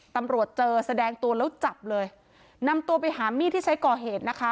ตำรวจเจอแสดงตัวแล้วจับเลยนำตัวไปหามีดที่ใช้ก่อเหตุนะคะ